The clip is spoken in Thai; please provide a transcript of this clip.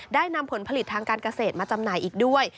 ได้นำผลผลิตทางการเกษตรมาจำหน่ายอีกด้วย